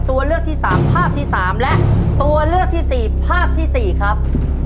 ตัวเลือกที่สามภาพที่สามและตัวเลือกที่สี่ภาพที่สี่ครับ